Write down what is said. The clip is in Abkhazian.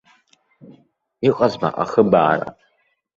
Иҟазма ахыбаара?